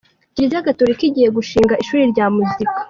Kiliziya Gatolika igiye gushinga ishuri rya muzika